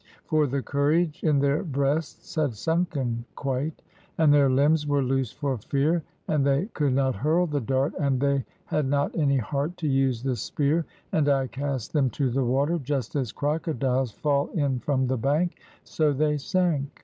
For the courage in their breasts had sunken quite; And their limbs were loosed for fear, And they could not hurl the dart, And they had not any heart To use the spear; And I cast them to the water, Just as crocodiles fall in from the bank, So they sank.